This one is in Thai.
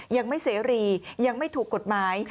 ยังไม่เสรียังไม่ถูกกฎหมาย